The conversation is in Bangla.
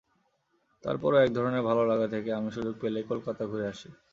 তারপরও একধরনের ভালো লাগা থেকে আমি সুযোগ পেলেই কলকাতা ঘুরে আসি।